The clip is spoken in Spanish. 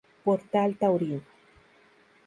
Portal Taurino